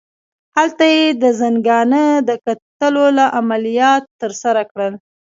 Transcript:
هلته یې د زنګانه د کتلولو عملیات ترسره کړل.